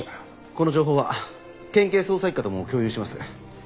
この情報は県警捜査一課とも共有します。